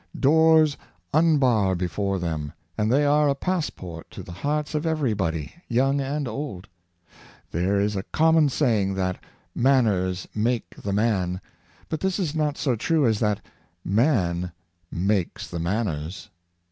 Doors unbar before them, and they are a pass port to the hearts of every body, young and old. There is a common saying that '^ Manners make the man; " but this is not so true as that " Man makes the manners.''